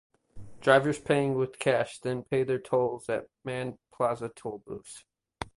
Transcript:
Drivers paying with cash then pay their tolls at manned plaza tollbooths.